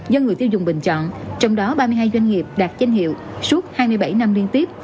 do người tiêu dùng bình chọn trong đó ba mươi hai doanh nghiệp đạt danh hiệu suốt hai mươi bảy năm liên tiếp